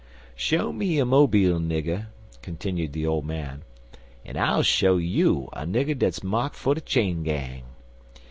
Show me a Mobile nigger," continued the old man, an I'll show you a nigger dat's marked for de chain gang.